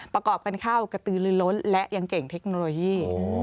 ประกอบกันเข้ากระตือลือล้นและยังเก่งเทคโนโลยี